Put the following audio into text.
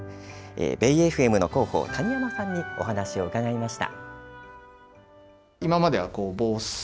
ベイエフエムの広報谷山さんにお話を伺いました。